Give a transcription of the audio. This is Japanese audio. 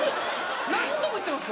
何度も言ってます